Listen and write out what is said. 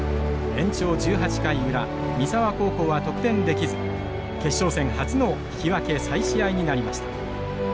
延長１８回裏三沢高校は得点できず決勝戦初の引き分け再試合になりました。